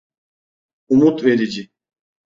Umut verici.